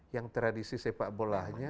yang tradisi sepak bolanya